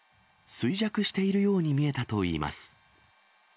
衰弱しているように見えたといいます。